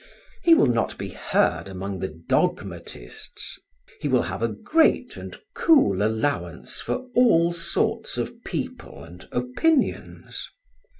He will not be heard among the dogmatists. He will have a great and cool allowance for all sorts of people and opinions.